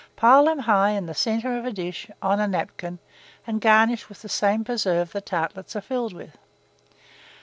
Pile them high in the centre of a dish, on a napkin, and garnish with the same preserve the tartlets are filled with.